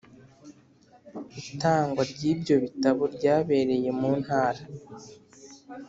itangwa ry’iryo bitabo ryabereye muntara